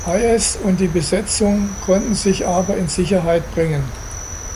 Hayes und die Besetzung konnten sich aber in Sicherheit bringen.